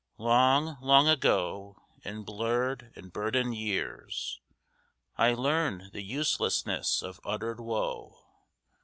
Long, long ago, in blurred and burdened years, I learned the uselessness of uttered woe.